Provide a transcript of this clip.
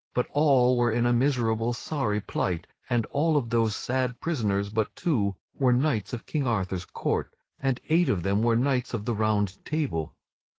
But all were in a miserable sorry plight; and all of those sad prisoners but two were knights of King Arthur's court, and eight of them were knights of the Round Table.